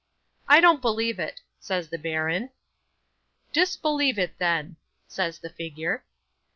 '"I don't believe it," says the baron. '"Disbelieve it then," says the figure.